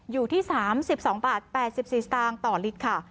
อยู่ที่๓๒บาท๘๔สตางค์ต่อลิตรค่ะ